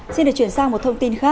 xin được chuyển sang một thông tin khác